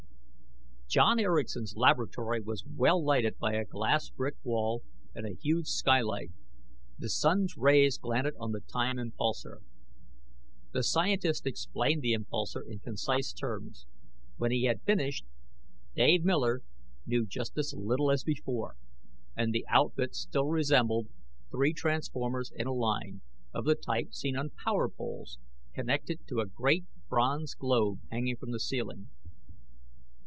John Erickson's laboratory was well lighted by a glass brick wall and a huge skylight. The sun's rays glinted on the time impulsor. The scientist explained the impulsor in concise terms. When he had finished, Dave Miller knew just as little as before, and the outfit still resembled three transformers in a line, of the type seen on power poles, connected to a great bronze globe hanging from the ceiling.